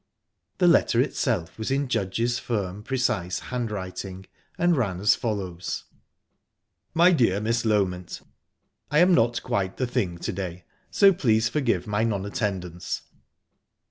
The letter itself was in Judge's firm, precise hand writing, and ran as follows: "My dear Miss Loment. "I am not quite the thing to day, so please forgive my non attendance.